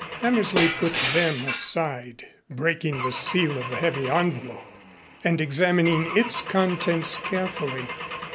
Hammersley put them aside, breaking the seal of the heavy envelope and examining its contents carefully.